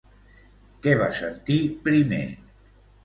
Què va sentir primer?